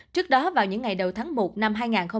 trước đó vào những ngày đầu tháng một năm hai nghìn hai mươi